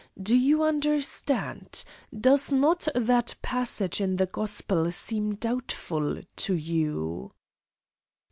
Do you understand? Does not that passage in the Gospels seem doubtful to you?"